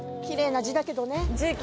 きれいな字だけどね字